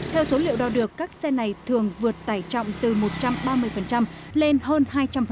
theo số liệu đo được các xe này thường vượt tải trọng từ một trăm ba mươi lên hơn